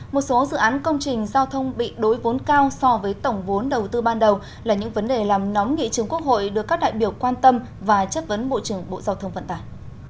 một số dự án công trình giao thông bị đối vốn cao so với tổng vốn đầu tư ban đầu là những vấn đề làm nóng nghị trường quốc hội được các đại biểu quan tâm và chất vấn bộ trưởng bộ giao thông vận tải